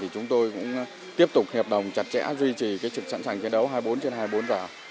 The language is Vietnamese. chúng tôi cũng tiếp tục hiệp đồng chặt chẽ duy trì trực sẵn sàng chiến đấu hai mươi bốn trên hai mươi bốn giờ